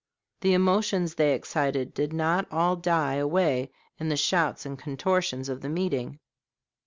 The emotions they excited did not all die away in the shouts and contortions of the meeting.